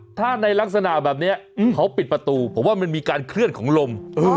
ถ้าในลักษณะแบบนี้เขาปิดประตูผมว่ามันมีการเคลื่อนของลม